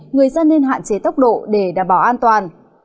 người dân nên hạn chế tốc độ để đảm bảo an toàn